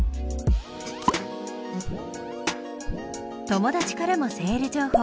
友達からもセール情報。